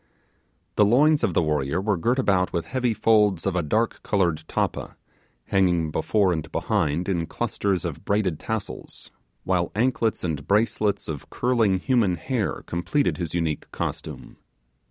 The loins of the warrior were girt about with heavy folds of a dark coloured tappa, hanging before and behind in clusters of braided tassels, while anklets and bracelets of curling human hair completed his unique costume.